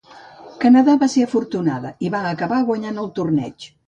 Canadà va ser l'afortunada, i va acabar guanyant el torneig.